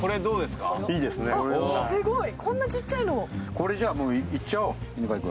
これじゃあ、もういっちゃおう。